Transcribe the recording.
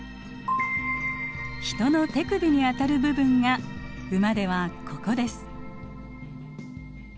ヒトの手首にあたる部分がウマではここです。